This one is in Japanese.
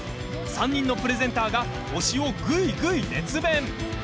３人のプレゼンターが推しを、ぐいぐい熱弁！